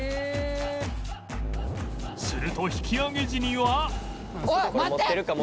すると引き揚げ時には